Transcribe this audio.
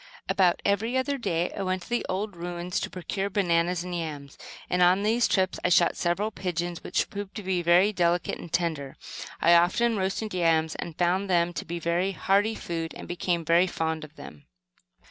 About every other day I went to the old ruins to procure bananas and yams; and, on these trips, I shot several pigeons which proved to be very delicate and tender. I often roasted yams, and found them to be very hearty food; and became very fond of them.